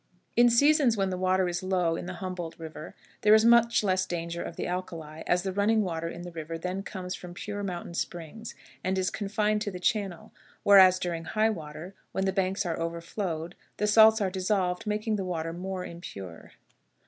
In seasons when the water is low in the Humboldt River, there is much less danger of the alkali, as the running water in the river then comes from pure mountain springs, and is confined to the channel; whereas, during high water, when the banks are overflowed, the salts are dissolved, making the water more impure.